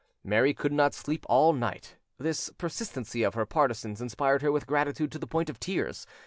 Mary could not sleep all night: this persistency of her partisans inspired her with gratitude to the point of tears.